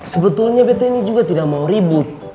sebetulnya bete ini juga tidak mau ribut